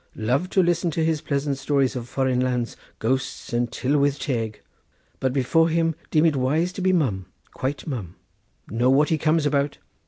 Love to listen to his pleasant stories of foreign lands, ghosts and tylwith teg; but before him deem it wise to be mum, quite mum. Know what he comes about.